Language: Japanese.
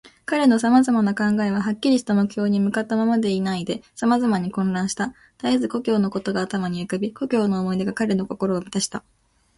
彼のさまざまな考えは、はっきりした目標に向ったままでいないで、さまざまに混乱した。たえず故郷のことが頭に浮かび、故郷の思い出が彼の心をみたした。